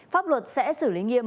pháp luật sẽ xử lý nghiêm